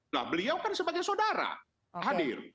nah beliau kan sebagai saudara hadir